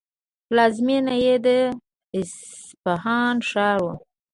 پلازمینه یې د اصفهان ښار و.